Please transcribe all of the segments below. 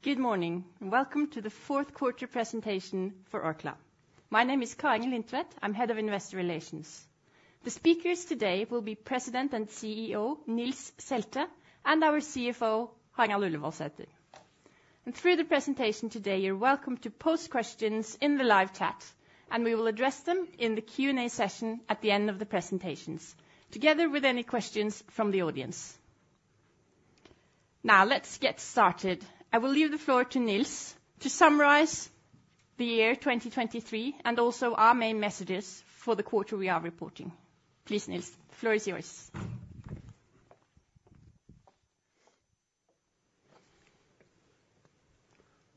Good morning. Welcome to the fourth quarter presentation for Orkla. My name is Kari Lindtvedt. I'm Head of Investor Relations. The speakers today will be President and CEO, Nils Selte, and our CFO, Harald Ullevoldsæter. And through the presentation today, you're welcome to pose questions in the live chat, and we will address them in the Q&A session at the end of the presentations, together with any questions from the audience. Now, let's get started. I will leave the floor to Nils to summarize the year 2023, and also our main messages for the quarter we are reporting. Please, Nils, the floor is yours.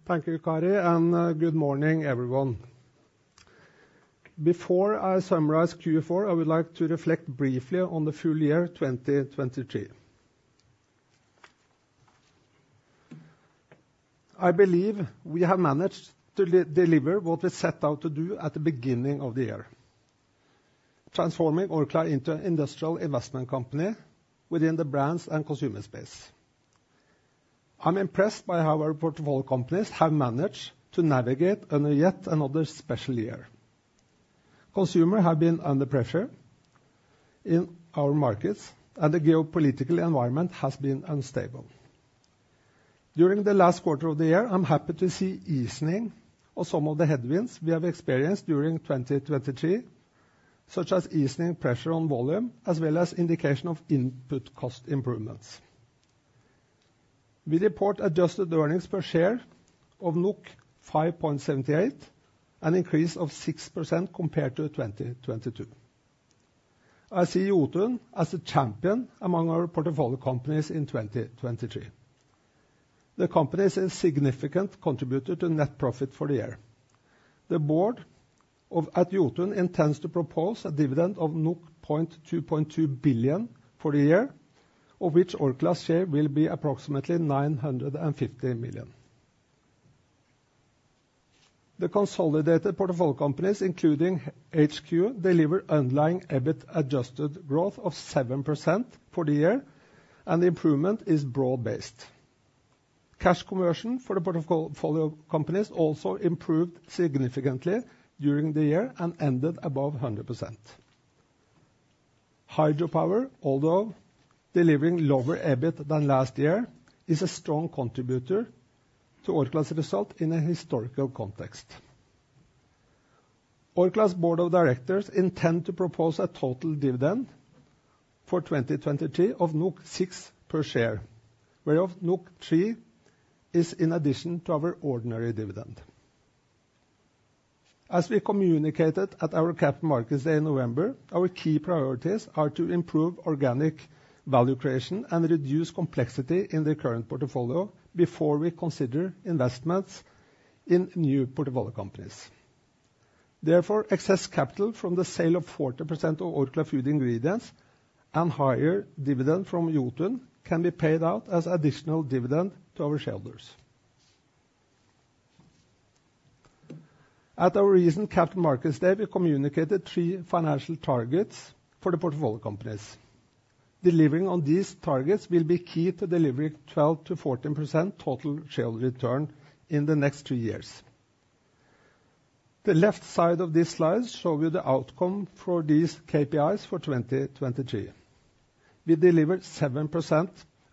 Thank you, Kari, and good morning, everyone. Before I summarize Q4, I would like to reflect briefly on the full year 2023. I believe we have managed to deliver what we set out to do at the beginning of the year, transforming Orkla into an industrial investment company within the brands and consumer space. I'm impressed by how our portfolio companies have managed to navigate on yet another special year. Consumers have been under pressure in our markets, and the geopolitical environment has been unstable. During the last quarter of the year, I'm happy to see easing of some of the headwinds we have experienced during 2023, such as easing pressure on volume, as well as indication of input cost improvements. We report adjusted earnings per share of 5.78, an increase of 6% compared to 2022. I see Jotun as a champion among our portfolio companies in 2023. The company is a significant contributor to net profit for the year. The board at Jotun intends to propose a dividend of 2.2 billion for the year, of which Orkla's share will be approximately 950 million. The consolidated portfolio companies, including HQ, deliver underlying EBIT adjusted growth of 7% for the year, and the improvement is broad-based. Cash conversion for the portfolio companies also improved significantly during the year and ended above 100%. Hydropower, although delivering lower EBIT than last year, is a strong contributor to Orkla's result in a historical context. Orkla's Board of Directors intend to propose a total dividend for 2023 of 6 per share, whereof 3 is in addition to our ordinary dividend. As we communicated at our Capital Markets Day in November, our key priorities are to improve organic value creation and reduce complexity in the current portfolio before we consider investments in new portfolio companies. Therefore, excess capital from the sale of 40% of Orkla Food Ingredients and higher dividend from Jotun can be paid out as additional dividend to our shareholders. At our recent Capital Markets Day, we communicated three financial targets for the portfolio companies. Delivering on these targets will be key to delivering 12%-14% total share return in the next two years. The left side of this slide show you the outcome for these KPIs for 2023. We delivered 7%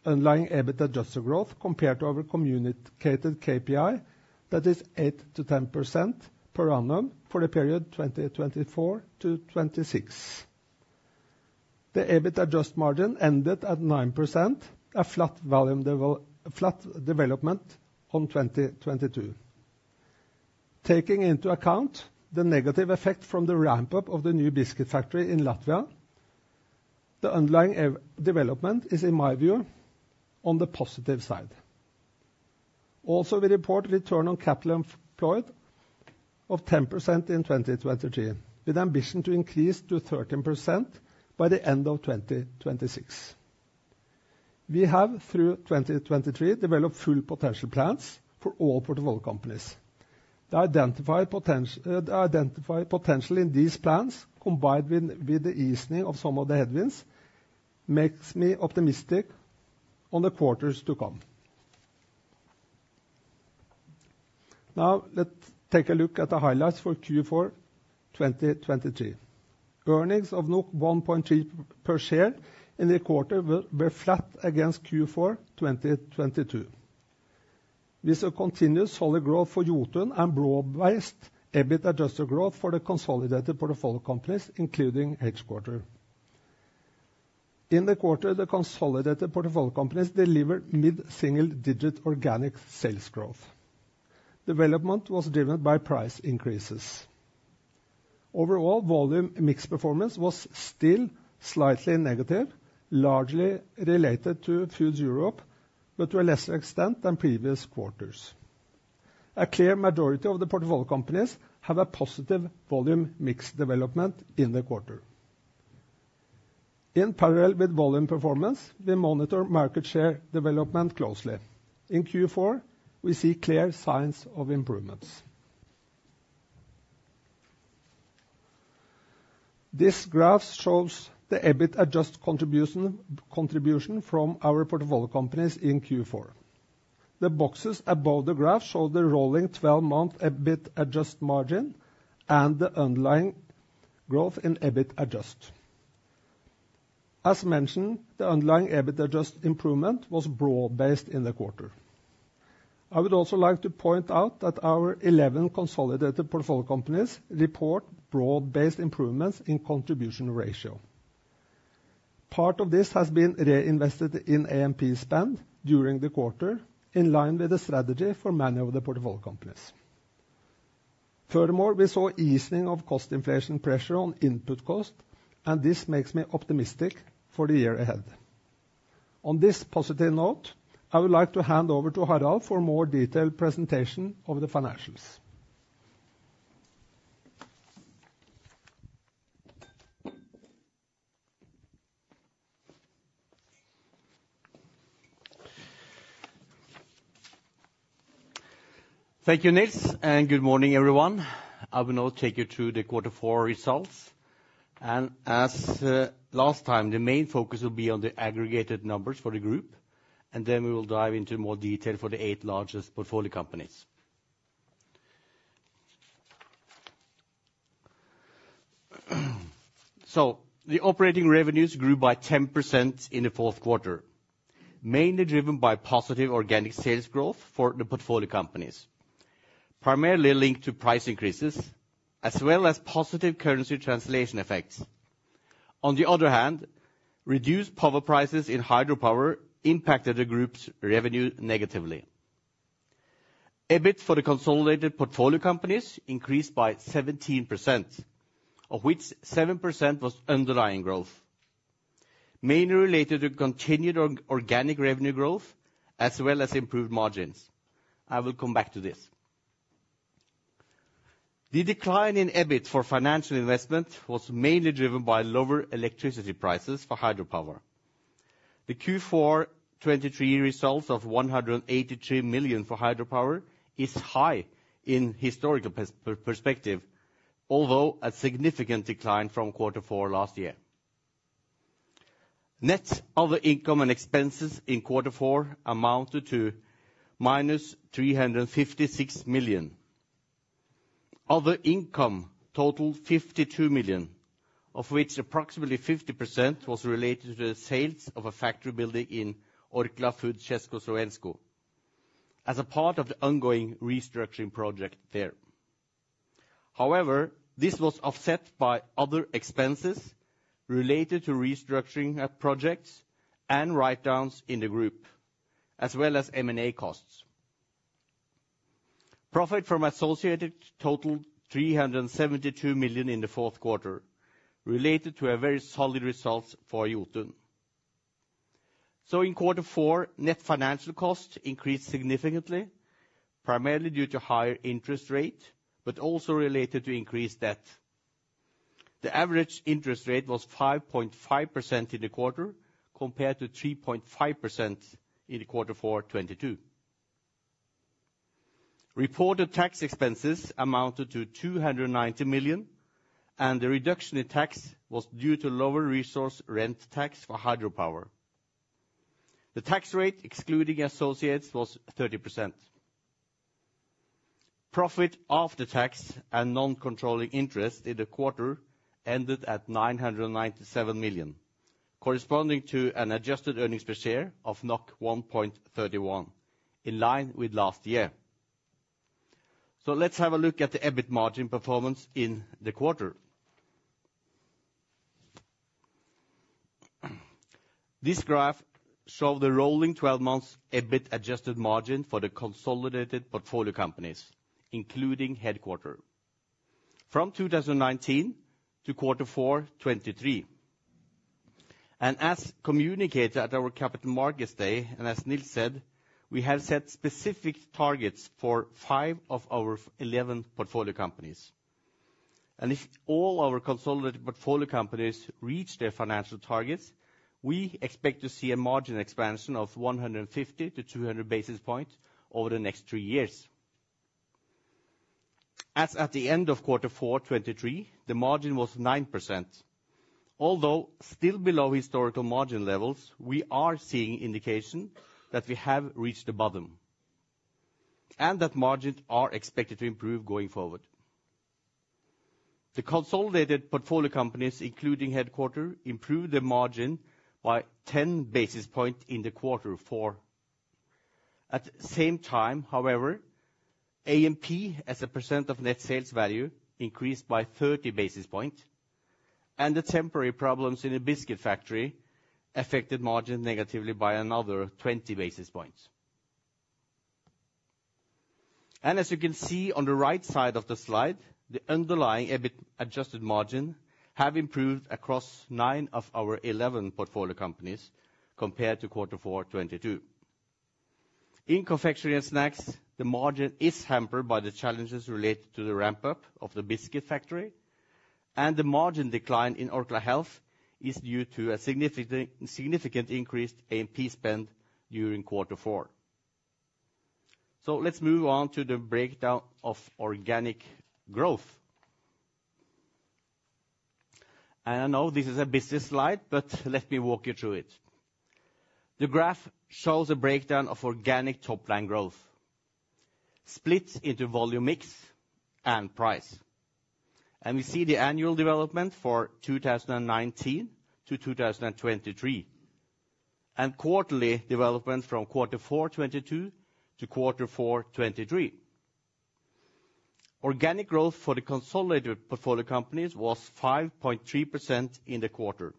underlying EBIT adjusted growth compared to our communicated KPI. That is, 8%-10% per annum for the period 2024-2026. The EBIT adjusted margin ended at 9%, a flat volume level, flat development on 2022. Taking into account the negative effect from the ramp-up of the new biscuit factory in Latvia, the underlying EBIT development is, in my view, on the positive side. Also, we report return on capital employed of 10% in 2023, with ambition to increase to 13% by the end of 2026. We have, through 2023, developed full potential plans for all portfolio companies. The identified potential in these plans, combined with the easing of some of the headwinds, makes me optimistic on the quarters to come. Now, let's take a look at the highlights for Q4 2023. Earnings of 1.3 per share in the quarter were flat against Q4 2022. We saw continuous solid growth for Jotun and broad-based EBIT-adjusted growth for the consolidated portfolio companies, including headquarters. In the quarter, the consolidated portfolio companies delivered mid-single-digit organic sales growth. Development was driven by price increases. Overall, volume mix performance was still slightly negative, largely related to Foods Europe, but to a lesser extent than previous quarters. A clear majority of the portfolio companies have a positive volume mix development in the quarter. In parallel with volume performance, we monitor market share development closely. In Q4, we see clear signs of improvements. This graph shows the EBIT-adjusted contribution from our portfolio companies in Q4. The boxes above the graph show the rolling twelve-month EBIT-adjusted margin and the underlying growth in EBIT-adjusted. As mentioned, the underlying EBIT-adjusted improvement was broad-based in the quarter. I would also like to point out that our 11 consolidated portfolio companies report broad-based improvements in contribution ratio. Part of this has been reinvested in A&P spend during the quarter, in line with the strategy for many of the portfolio companies. Furthermore, we saw easing of cost inflation pressure on input cost, and this makes me optimistic for the year ahead. On this positive note, I would like to hand over to Harald for a more detailed presentation of the financials. Thank you, Nils, and good morning, everyone. I will now take you through the Quarter Four results. As last time, the main focus will be on the aggregated numbers for the group, and then we will dive into more detail for the eight largest portfolio companies. The operating revenues grew by 10% in the fourth quarter, mainly driven by positive organic sales growth for the portfolio companies, primarily linked to price increases, as well as positive currency translation effects. On the other hand, reduced power prices in hydropower impacted the group's revenue negatively. EBIT for the consolidated portfolio companies increased by 17%, of which 7% was underlying growth, mainly related to continued organic revenue growth, as well as improved margins. I will come back to this. The decline in EBIT for financial investment was mainly driven by lower electricity prices for hydropower. The Q4 2023 results of 183 million for hydropower is high in historical perspective, although a significant decline from Quarter Four last year. Net other income and expenses in Quarter Four amounted to -356 million. Other income totaled 52 million, of which approximately 50% was related to the sales of a factory building in Orkla Foods Česko Slovensko as a part of the ongoing restructuring project there. However, this was offset by other expenses related to restructuring projects and write-downs in the group, as well as M&A costs. Profit from associates totaled 372 million in the fourth quarter, related to a very solid result for Jotun. So in Quarter Four, net financial costs increased significantly, primarily due to higher interest rate, but also related to increased debt. The average interest rate was 5.5% in the quarter, compared to 3.5% in Q4 2022. Reported tax expenses amounted to 290 million, and the reduction in tax was due to lower resource rent tax for hydropower. The tax rate, excluding associates, was 30%. Profit after tax and non-controlling interest in the quarter ended at 997 million, corresponding to an adjusted earnings per share of 1.31, in line with last year. So let's have a look at the EBIT margin performance in the quarter. This graph shows the rolling 12 months EBIT-adjusted margin for the consolidated portfolio companies, including headquarters, from 2019 to Q4 2023. And as communicated at our Capital Markets Day, and as Nils said, we have set specific targets for five of our 11 portfolio companies. If all our consolidated portfolio companies reach their financial targets, we expect to see a margin expansion of 150-200 basis points over the next three years. As at the end of Quarter Four 2023, the margin was 9%. Although still below historical margin levels, we are seeing indication that we have reached the bottom, and that margins are expected to improve going forward. The consolidated portfolio companies, including headquarters, improved the margin by 10 basis points in the Quarter Four. At the same time, however, AMP, as a percent of net sales value, increased by 30 basis points, and the temporary problems in the biscuit factory affected margin negatively by another 20 basis points. As you can see on the right side of the slide, the underlying EBIT-adjusted margin have improved across nine of our 11 portfolio companies compared to Quarter 4 2022. In confectionery and snacks, the margin is hampered by the challenges related to the ramp-up of the biscuit factory, and the margin decline in Orkla Health is due to a significant, significant increased AMP spend during Quarter 4. Let's move on to the breakdown of organic growth. And I know this is a busy slide, but let me walk you through it. The graph shows a breakdown of organic top line growth, split into volume, mix, and price. And we see the annual development for 2019 to 2023, and quarterly development from quarter 4 2022 to quarter 4 2023. Organic growth for the consolidated portfolio companies was 5.3% in the quarter.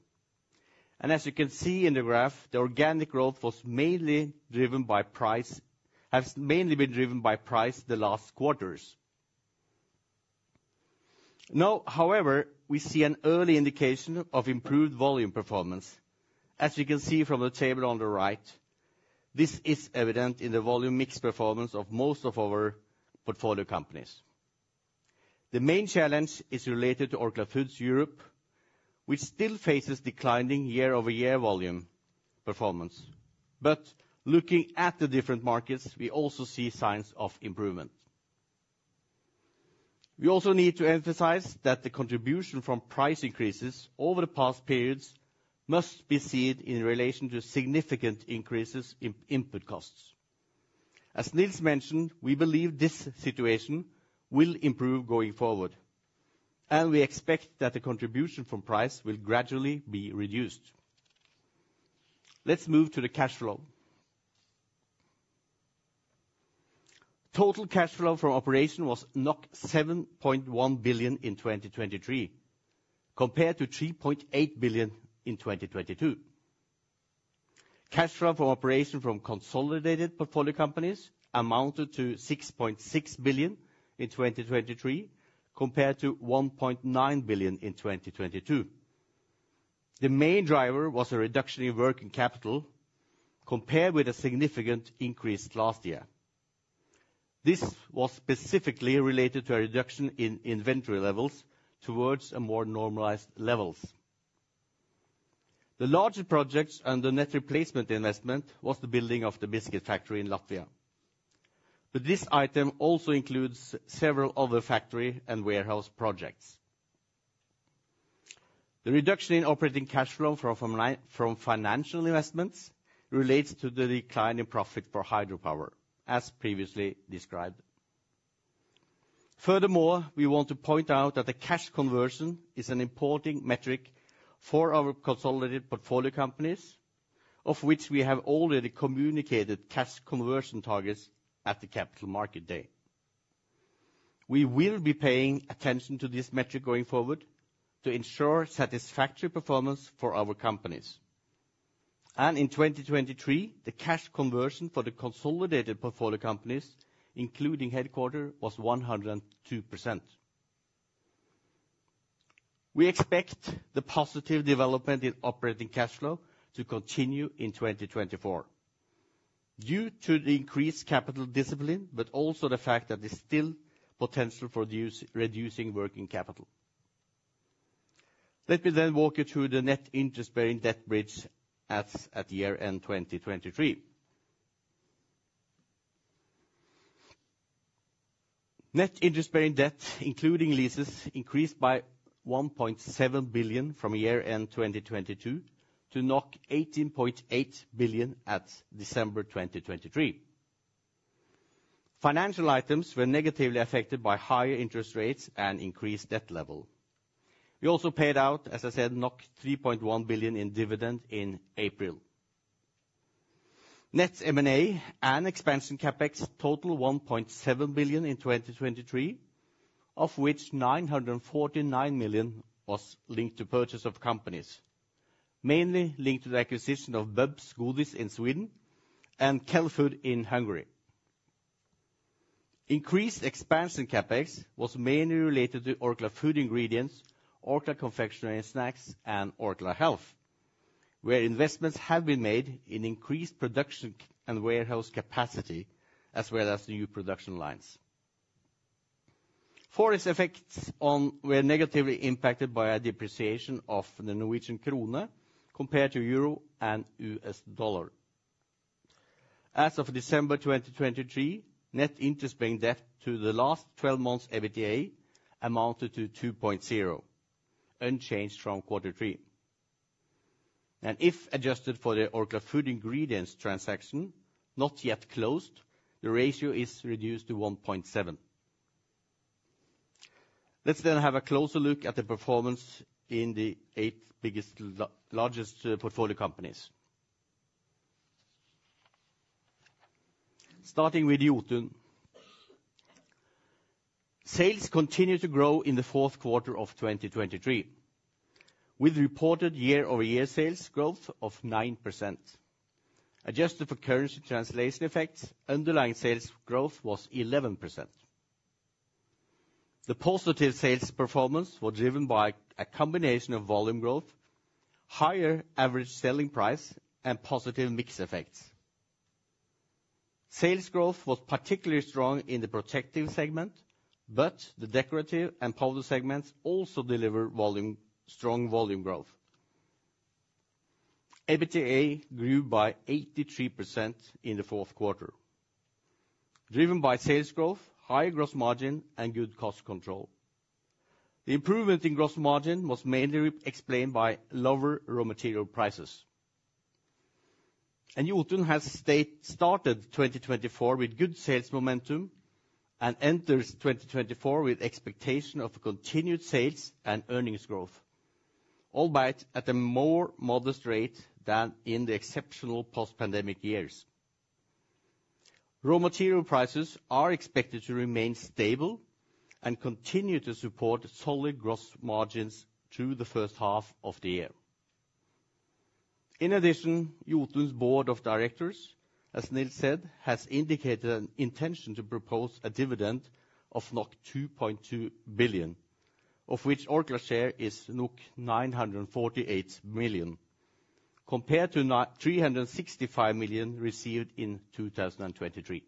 As you can see in the graph, the organic growth was mainly driven by price, has mainly been driven by price the last quarters. Now, however, we see an early indication of improved volume performance. As you can see from the table on the right, this is evident in the volume mix performance of most of our portfolio companies. The main challenge is related to Orkla Foods Europe, which still faces declining year-over-year volume performance. But looking at the different markets, we also see signs of improvement. We also need to emphasize that the contribution from price increases over the past periods must be seen in relation to significant increases in input costs. As Nils mentioned, we believe this situation will improve going forward, and we expect that the contribution from price will gradually be reduced. Let's move to the cash flow. Total cash flow from operation was 7.1 billion in 2023, compared to 3.8 billion in 2022. Cash flow from operation from consolidated portfolio companies amounted to 6.6 billion in 2023, compared to 1.9 billion in 2022. The main driver was a reduction in working capital, compared with a significant increase last year. This was specifically related to a reduction in inventory levels towards a more normalized levels. The larger projects under net replacement investment was the building of the biscuit factory in Latvia, but this item also includes several other factory and warehouse projects. The reduction in operating cash flow from from financial investments relates to the decline in profit for hydropower, as previously described. Furthermore, we want to point out that the cash conversion is an important metric for our consolidated portfolio companies, of which we have already communicated cash conversion targets at the Capital Market Day. We will be paying attention to this metric going forward to ensure satisfactory performance for our companies. In 2023, the cash conversion for the consolidated portfolio companies, including headquarters, was 102%. We expect the positive development in operating cash flow to continue in 2024 due to the increased capital discipline, but also the fact that there's still potential for reducing working capital. Let me then walk you through the net interest-bearing debt bridge as at year-end 2023. Net interest-bearing debt, including leases, increased by 1.7 billion from year-end 2022 to 18.8 billion at December 2023. Financial items were negatively affected by higher interest rates and increased debt level. We also paid out, as I said, 3.1 billion in dividend in April. Net M&A and expansion CapEx total 1.7 billion in 2023, of which 949 million was linked to purchase of companies, mainly linked to the acquisition of Bubs Godis in Sweden and Khell-Food in Hungary. Increased expansion CapEx was mainly related to Orkla Food Ingredients, Orkla Confectionery & Snacks, and Orkla Health, where investments have been made in increased production and warehouse capacity, as well as new production lines. Foreign effects on were negatively impacted by a depreciation of the Norwegian krone compared to euro and US dollar. As of December 2023, net interest paying debt to the last twelve months, EBITDA, amounted to 2.0, unchanged from quarter three. If adjusted for the Orkla Food Ingredients transaction, not yet closed, the ratio is reduced to 1.7. Let's then have a closer look at the performance in the eight largest portfolio companies. Starting with Jotun. Sales continued to grow in the fourth quarter of 2023, with reported year-over-year sales growth of 9%. Adjusted for currency translation effects, underlying sales growth was 11%. The positive sales performance was driven by a combination of volume growth, higher average selling price, and positive mix effects. Sales growth was particularly strong in the protective segment, but the decorative and powder segments also delivered volume, strong volume growth. EBITDA grew by 83% in the fourth quarter, driven by sales growth, high gross margin, and good cost control. The improvement in gross margin was mainly explained by lower raw material prices. Jotun has started 2024 with good sales momentum, and enters 2024 with expectation of continued sales and earnings growth, albeit at a more modest rate than in the exceptional post-pandemic years. Raw material prices are expected to remain stable and continue to support solid gross margins through the first half of the year. In addition, Jotun's board of directors, as Nils said, has indicated an intention to propose a dividend of 2.2 billion, of which Orkla's share is 948 million, compared to 365 million received in 2023.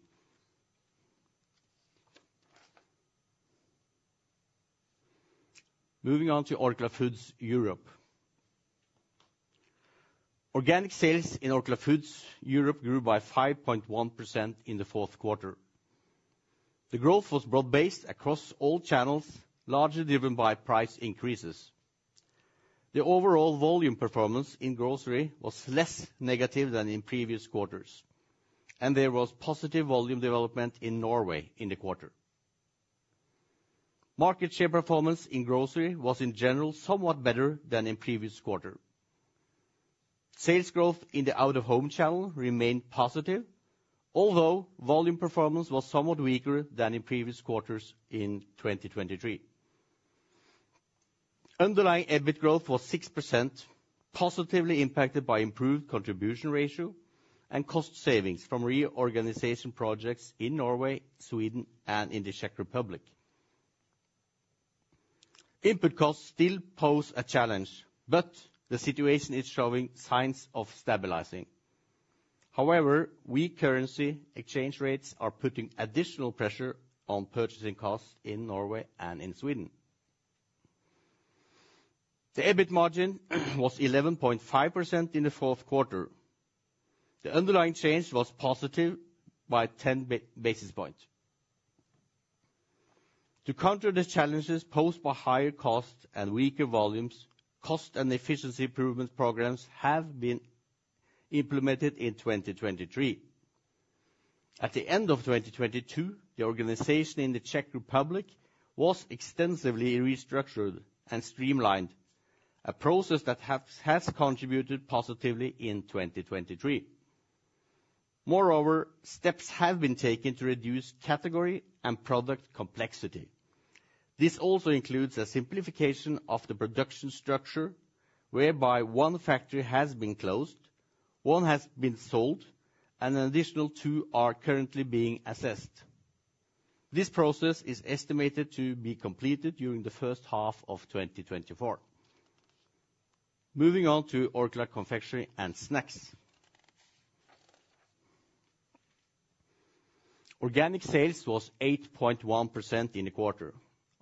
Moving on to Orkla Foods Europe. Organic sales in Orkla Foods Europe grew by 5.1% in the fourth quarter. The growth was broad-based across all channels, largely driven by price increases. The overall volume performance in grocery was less negative than in previous quarters, and there was positive volume development in Norway in the quarter. Market share performance in grocery was, in general, somewhat better than in previous quarter. Sales growth in the out-of-home channel remained positive, although volume performance was somewhat weaker than in previous quarters in 2023. Underlying EBIT growth was 6%, positively impacted by improved contribution ratio and cost savings from reorganization projects in Norway, Sweden, and in the Czech Republic. Input costs still pose a challenge, but the situation is showing signs of stabilizing. However, weak currency exchange rates are putting additional pressure on purchasing costs in Norway and in Sweden. The EBIT margin was 11.5% in the fourth quarter. The underlying change was positive by 10 basis points. To counter the challenges posed by higher costs and weaker volumes, cost and efficiency improvement programs have been implemented in 2023. At the end of 2022, the organization in the Czech Republic was extensively restructured and streamlined, a process that has contributed positively in 2023. Moreover, steps have been taken to reduce category and product complexity. This also includes a simplification of the production structure, whereby one factory has been closed, one has been sold, and an additional two are currently being assessed. This process is estimated to be completed during the first half of 2024. Moving on to Orkla Confectionery & Snacks. Organic sales was 8.1% in the quarter,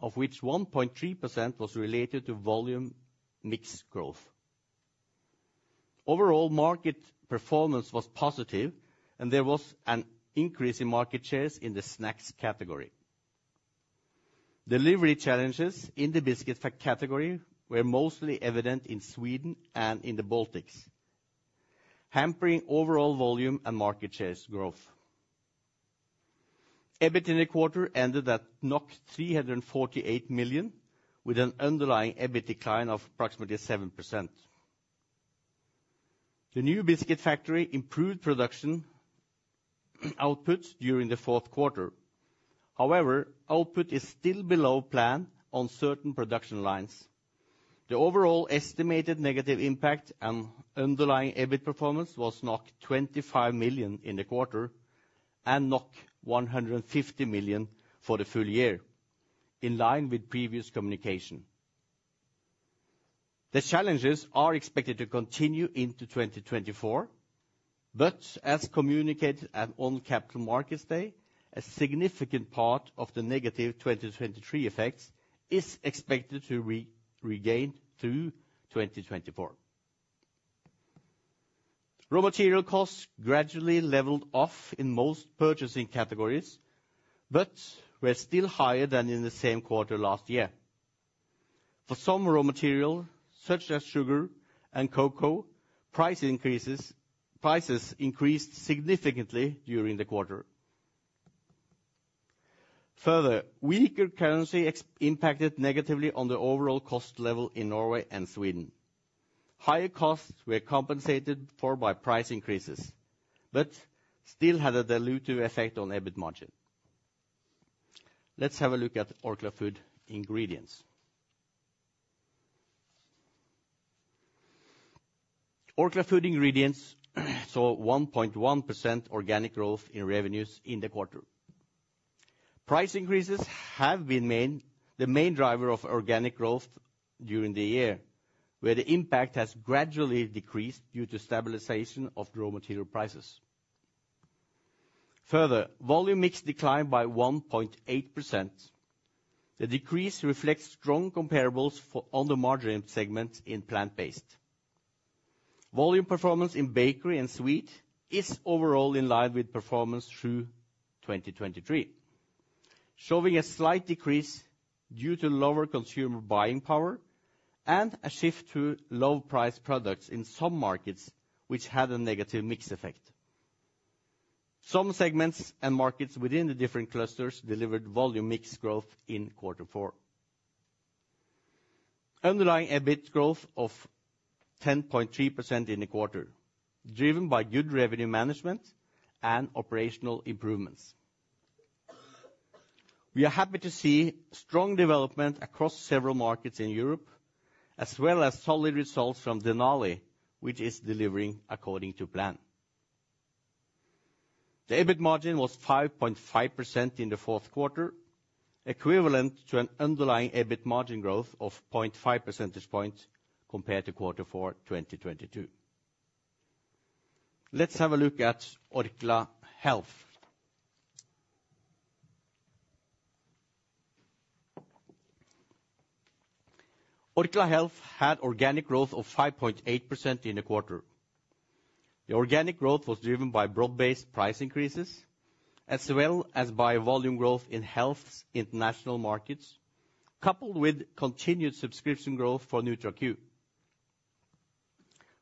of which 1.3% was related to volume mix growth. Overall, market performance was positive, and there was an increase in market shares in the snacks category. Delivery challenges in the biscuit category were mostly evident in Sweden and in the Baltics, hampering overall volume and market shares growth. EBIT in the quarter ended at 348 million, with an underlying EBIT decline of approximately 7%. The new biscuit factory improved production outputs during the fourth quarter. However, output is still below plan on certain production lines. The overall estimated negative impact and underlying EBIT performance was 25 million in the quarter, and 150 million for the full year, in line with previous communication. The challenges are expected to continue into 2024, but as communicated at on Capital Markets Day, a significant part of the negative 2023 effects is expected to regained through 2024. Raw material costs gradually leveled off in most purchasing categories, but were still higher than in the same quarter last year. For some raw material, such as sugar and cocoa, prices increased significantly during the quarter. Further, weaker currency exchange impacted negatively on the overall cost level in Norway and Sweden. Higher costs were compensated for by price increases, but still had a dilutive effect on EBIT margin. Let's have a look at Orkla Food Ingredients. Orkla Food Ingredients saw 1.1% organic growth in revenues in the quarter. Price increases have been the main driver of organic growth during the year, where the impact has gradually decreased due to stabilization of raw material prices. Further, volume mix declined by 1.8%. The decrease reflects strong comparables for all the main segments in plant-based. Volume performance in bakery and sweet is overall in line with performance through 2023, showing a slight decrease due to lower consumer buying power and a shift to low price products in some markets, which had a negative mix effect. Some segments and markets within the different clusters delivered volume mix growth in quarter four. Underlying EBIT growth of 10.3% in the quarter, driven by good revenue management and operational improvements. We are happy to see strong development across several markets in Europe, as well as solid results from Denali, which is delivering according to plan. The EBIT margin was 5.5% in the fourth quarter, equivalent to an underlying EBIT margin growth of 0.5% points compared to quarter four, 2022. Let's have a look at Orkla Health. Orkla Health had organic growth of 5.8% in the quarter. The organic growth was driven by broad-based price increases, as well as by volume growth in health's international markets, coupled with continued subscription growth for NutraQ.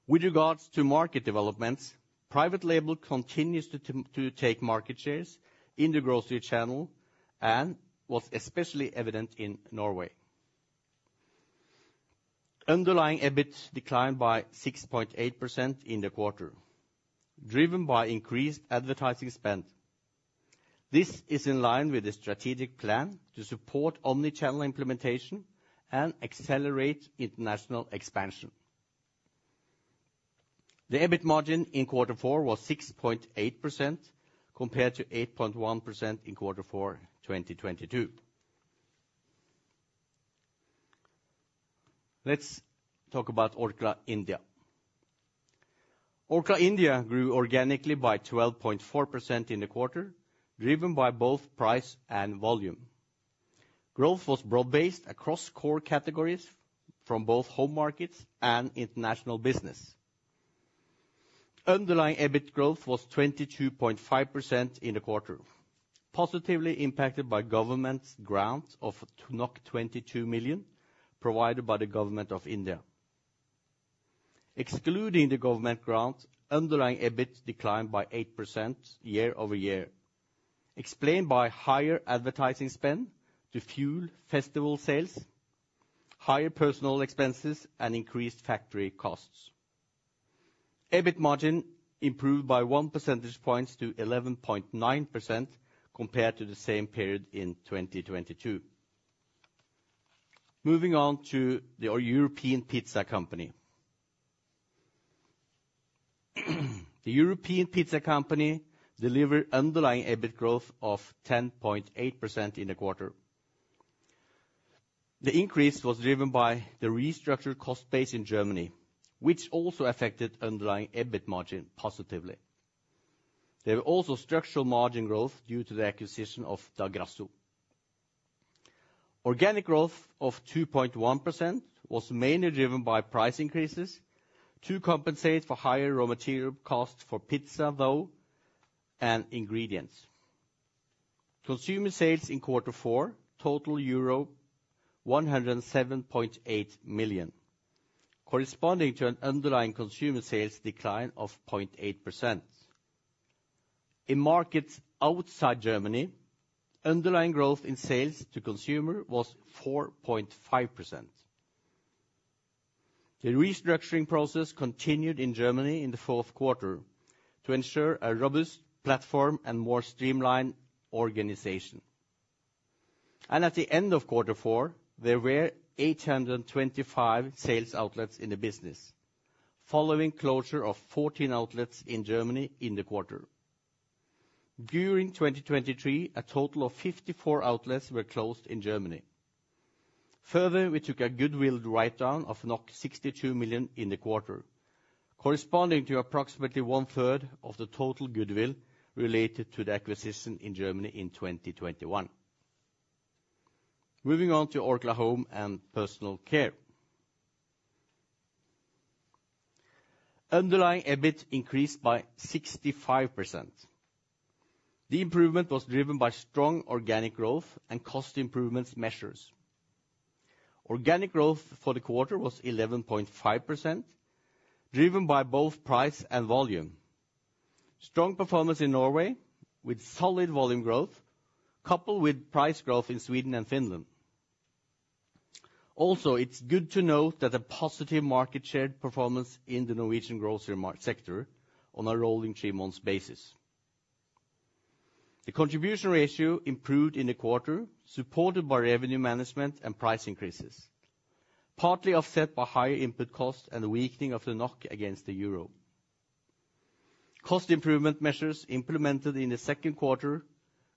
With regards to market developments, private label continues to take market shares in the grocery channel and was especially evident in Norway. Underlying EBIT declined by 6.8% in the quarter, driven by increased advertising spend. This is in line with the strategic plan to support omni-channel implementation and accelerate international expansion. The EBIT margin in quarter four was 6.8%, compared to 8.1% in quarter four 2022. Let's talk about Orkla India. Orkla India grew organically by 12.4% in the quarter, driven by both price and volume. Growth was broad-based across core categories from both home markets and international business. Underlying EBIT growth was 22.5% in the quarter, positively impacted by government's grant of 22 million, provided by the government of India. Excluding the government grant, underlying EBIT declined by 8% year-over-year, explained by higher advertising spend to fuel festival sales, higher personal expenses, and increased factory costs. EBIT margin improved by one percentage point to 11.9% compared to the same period in 2022. Moving on to The European Pizza Company. The European Pizza Company delivered underlying EBIT growth of 10.8% in the quarter. The increase was driven by the restructured cost base in Germany, which also affected underlying EBIT margin positively. There was also structural margin growth due to the acquisition of Da Grasso. Organic growth of 2.1% was mainly driven by price increases to compensate for higher raw material costs for pizza, though, and ingredients. Consumer sales in quarter four total euro 107.8 million, corresponding to an underlying consumer sales decline of 0.8%. In markets outside Germany, underlying growth in sales to consumer was 4.5%. The restructuring process continued in Germany in the fourth quarter to ensure a robust platform and more streamlined organization. At the end of quarter four, there were 825 sales outlets in the business, following closure of 14 outlets in Germany in the quarter. During 2023, a total of 54 outlets were closed in Germany. Further, we took a goodwill write-down of 62 million in the quarter, corresponding to approximately 1/3 of the total goodwill related to the acquisition in Germany in 2021. Moving on to Orkla Home and Personal Care. Underlying EBIT increased by 65%. The improvement was driven by strong organic growth and cost improvement measures. Organic growth for the quarter was 11.5%, driven by both price and volume. Strong performance in Norway, with solid volume growth, coupled with price growth in Sweden and Finland. Also, it's good to note that the positive market share performance in the Norwegian grocery sector on a rolling three-month basis. The contribution ratio improved in the quarter, supported by revenue management and price increases, partly offset by higher input costs and the weakening of the NOK against the euro. Cost improvement measures implemented in the second quarter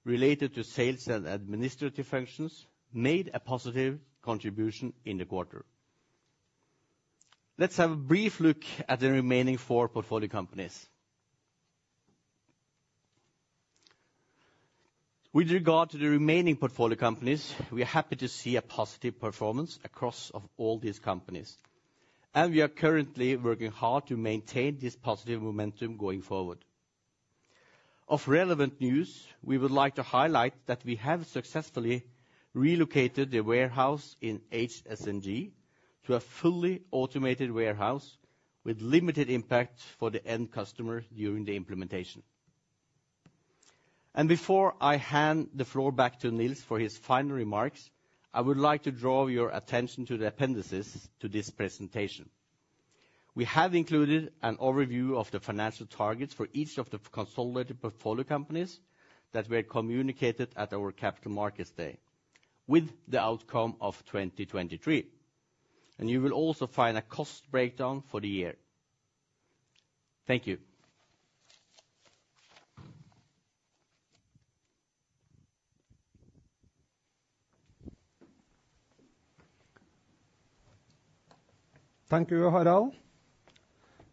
related to sales and administrative functions made a positive contribution in the quarter. Let's have a brief look at the remaining four portfolio companies. With regard to the remaining portfolio companies, we are happy to see a positive performance across all these companies, and we are currently working hard to maintain this positive momentum going forward. Of relevant news, we would like to highlight that we have successfully relocated the warehouse in HSNG to a fully automated warehouse, with limited impact for the end customer during the implementation. Before I hand the floor back to Nils for his final remarks, I would like to draw your attention to the appendices to this presentation. We have included an overview of the financial targets for each of the consolidated portfolio companies that were communicated at our Capital Markets Day, with the outcome of 2023. You will also find a cost breakdown for the year. Thank you. Thank you, Harald.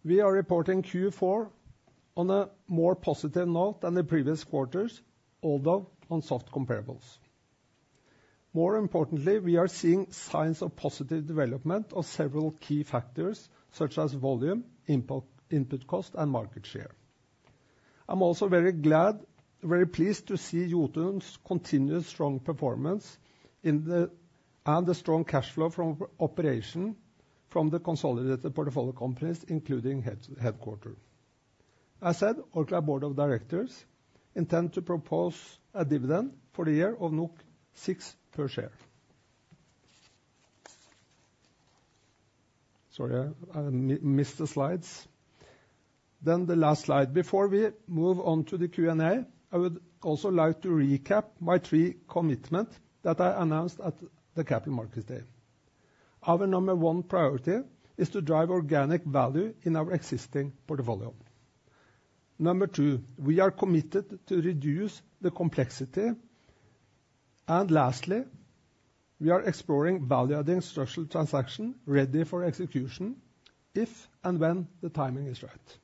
We are reporting Q4 on a more positive note than the previous quarters, although on soft comparables. More importantly, we are seeing signs of positive development of several key factors, such as volume, input cost, and market share. I'm also very glad, very pleased to see Jotun's continuous strong performance in the and the strong cash flow from operation from the consolidated portfolio companies, including headquarters. Orkla Board of Directors intend to propose a dividend for the year of NOK 6 per share. Sorry, I missed the slides. Then the last slide. Before we move on to the Q&A, I would also like to recap my three commitment that I announced at the Capital Markets Day. Our number one priority is to drive organic value in our existing portfolio. Number two, we are committed to reduce the complexity. Lastly, we are exploring value-adding structural transaction, ready for execution, if and when the timing is right.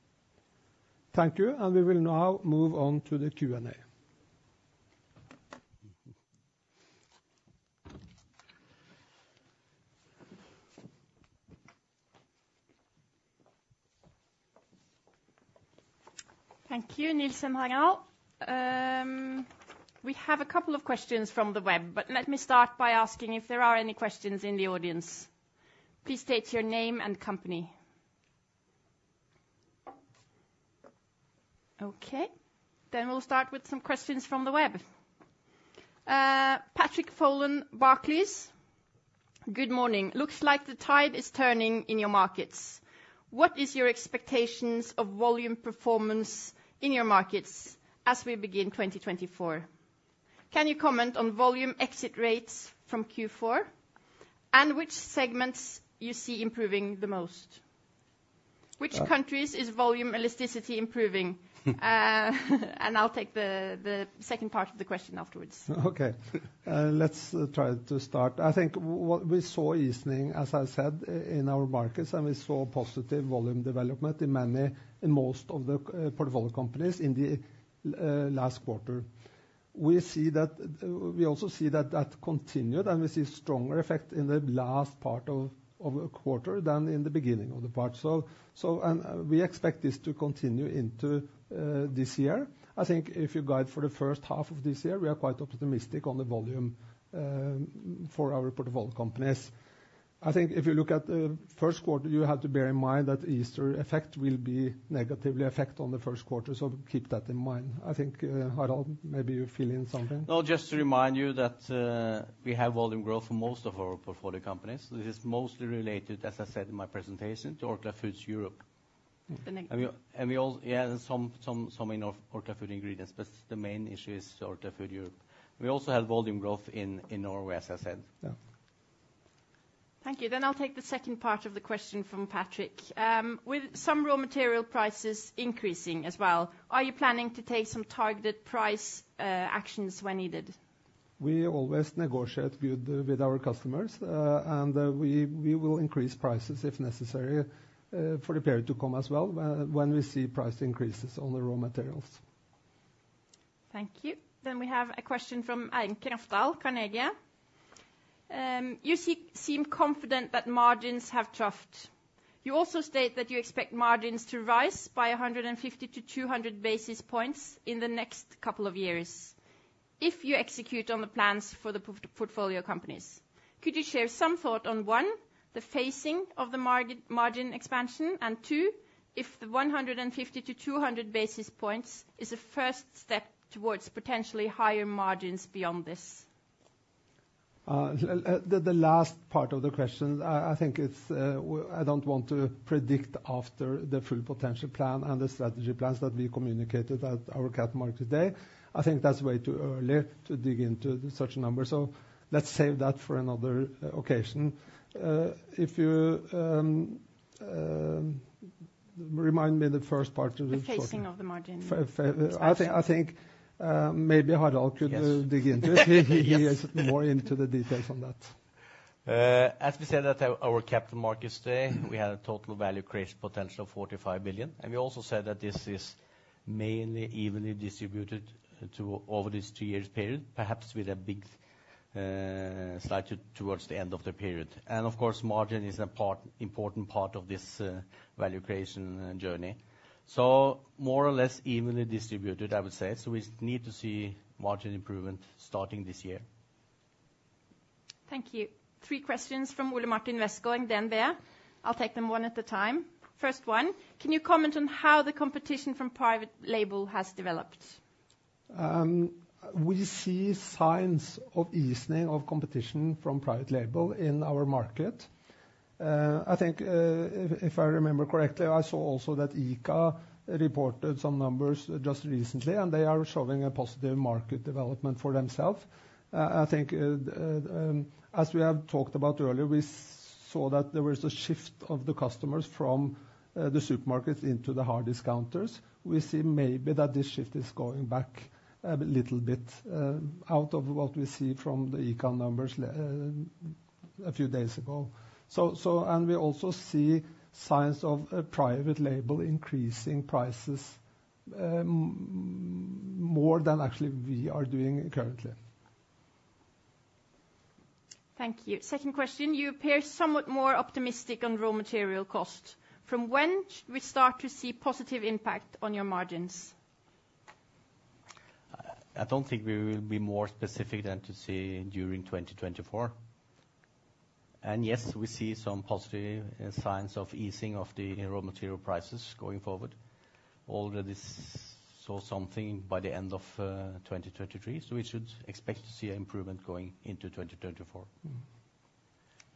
Thank you, and we will now move on to the Q&A. Thank you, Nils and Harald. We have a couple of questions from the web, but let me start by asking if there are any questions in the audience. Please state your name and company. Okay, then we'll start with some questions from the web. Patrick Folan, Barclays. Good morning. Looks like the tide is turning in your markets. What is your expectations of volume performance in your markets as we begin 2024? Can you comment on volume exit rates from Q4, and which segments you see improving the most? Which countries is volume elasticity improving? And I'll take the second part of the question afterwards. Okay. Let's try to start. I think what we saw easing, as I said, in our markets, and we saw positive volume development in many, in most of the, portfolio companies in the, last quarter. We see that... We also see that that continued, and we see stronger effect in the last part of a quarter than in the beginning of the part. So, so, and, we expect this to continue into, this year. I think if you guide for the first half of this year, we are quite optimistic on the volume, for our portfolio companies. I think if you look at the first quarter, you have to bear in mind that Easter effect will be negatively affect on the first quarter, so keep that in mind. I think, Harald, maybe you fill in something? No, just to remind you that we have volume growth for most of our portfolio companies. This is mostly related, as I said in my presentation, to Orkla Foods Europe. The next- Yeah, and some in Orkla Food Ingredients, but the main issue is Orkla Foods Europe. We also have volume growth in Norway, as I said. Yeah. Thank you. Then I'll take the second part of the question from Patrick. With some raw material prices increasing as well, are you planning to take some targeted price actions when needed? We always negotiate with our customers, and we will increase prices if necessary, for the period to come as well, when we see price increases on the raw materials. Thank you. Then we have a question from Eirik Rafdal, Carnegie. You seem confident that margins have troughed. You also state that you expect margins to rise by 150-200 basis points in the next couple of years if you execute on the plans for the portfolio companies. Could you share some thought on, one, the phasing of the margin expansion, and two, if the 150-200 basis points is a first step towards potentially higher margins beyond this? The last part of the question, I think it's well, I don't want to predict after the full potential plan and the strategy plans that we communicated at our Capital Markets Day. I think that's way too early to dig into such a number, so let's save that for another occasion. If you remind me the first part of the question? The phasing of the margin. I think maybe Harald could- Yes. Dig into it. Yes. He gets more into the details on that. As we said at our, our capital markets day, we had a total value creation potential of 45 billion, and we also said that this is mainly evenly distributed to over this two years period, perhaps with a big, slight towards the end of the period. And of course, margin is a part, important part of this, value creation journey. So more or less evenly distributed, I would say, so we need to see margin improvement starting this year. Thank you. Three questions from Ole Martin Westgaard, DNB. I'll take them one at a time. First one: Can you comment on how the competition from private label has developed? We see signs of easing of competition from private label in our market. I think, if I remember correctly, I saw also that ICA reported some numbers just recently, and they are showing a positive market development for themselves. I think, as we have talked about earlier, we saw that there was a shift of the customers from the supermarkets into the hard discounters. We see maybe that this shift is going back a little bit, out of what we see from the econ numbers a few days ago. So, and we also see signs of a private label increasing prices, more than actually we are doing currently. Thank you. Second question: You appear somewhat more optimistic on raw material cost. From when we start to see positive impact on your margins? I don't think we will be more specific than to say during 2024. And yes, we see some positive signs of easing of the raw material prices going forward. Already saw something by the end of 2023, so we should expect to see improvement going into 2024.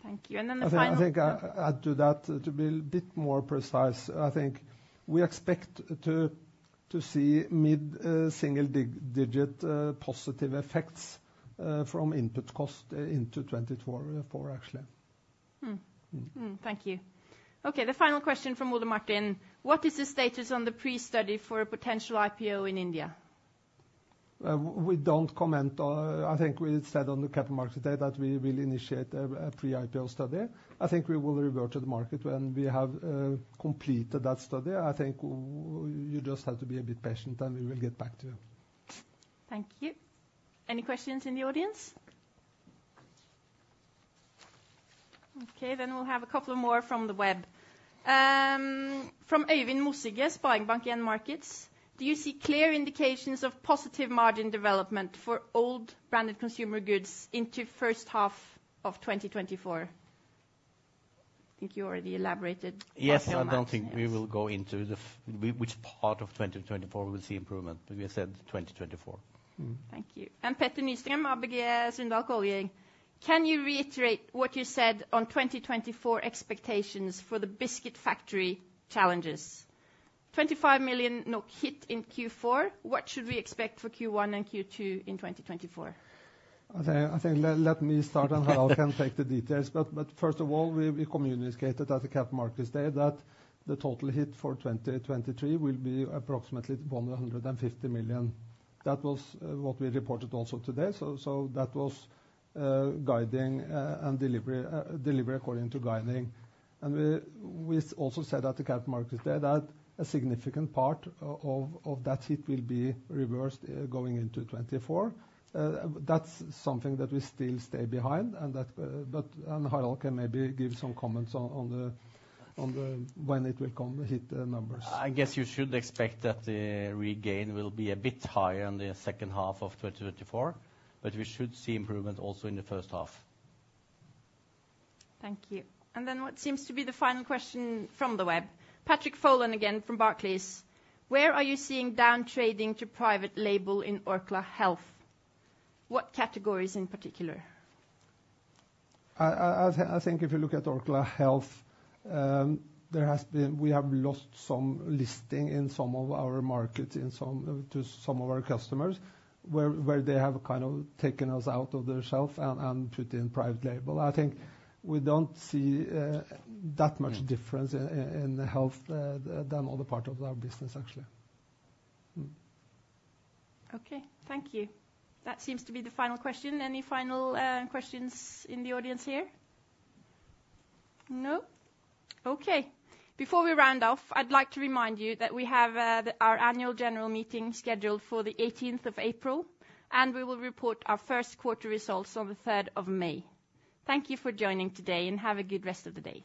Thank you, and then the final- I think, I think I add to that, to be a bit more precise, I think we expect to see mid single digit positive effects from input cost into 2024, actually. Mm-hmm. Mm. Thank you. Okay, the final question from Ole Martin: What is the status on the pre-study for a potential IPO in India? We don't comment on... I think we said on the Capital Markets Day that we will initiate a pre-IPO study. I think we will revert to the market when we have completed that study. I think we you just have to be a bit patient, and we will get back to you. Thank you. Any questions in the audience? Okay, then we'll have a couple more from the web. From Øyvind Mossige, Sparebank 1 Markets: Do you see clear indications of positive margin development for Orkla's branded consumer goods into first half of 2024? I think you already elaborated quite a lot. Yes, I don't think we will go into the, which part of 2024 we will see improvement. We said 2024. Mm-hmm. Thank you. And Petter Nystrøm, ABG Sundal Collier: Can you reiterate what you said on 2024 expectations for the biscuit factory challenges? 25 million hit in Q4, what should we expect for Q1 and Q2 in 2024? I think let me start, and Harald can take the details. But first of all, we communicated at the capital markets day that the total hit for 2023 will be approximately 150 million. That was what we reported also today. So that was guiding delivery according to guiding. And we also said at the capital markets day that a significant part of that hit will be reversed going into 2024. That's something that we still stand behind, and that, but. And Harald can maybe give some comments on the when it will come hit the numbers. I guess you should expect that the regain will be a bit higher in the second half of 2024, but we should see improvement also in the first half. Thank you. And then what seems to be the final question from the web. Patrick Folan again from Barclays: Where are you seeing down trading to private label in Orkla Health? What categories in particular? I think if you look at Orkla Health, there has been... We have lost some listing in some of our markets to some of our customers, where they have kind of taken us out of their shelf and put in private label. I think we don't see that much difference- Mm..... in the health than other part of our business, actually. Mm. Okay, thank you. That seems to be the final question. Any final questions in the audience here? No? Okay. Before we round off, I'd like to remind you that we have our annual general meeting scheduled for the 18th of April, and we will report our first quarter results on the 3rd of May. Thank you for joining today, and have a good rest of the day.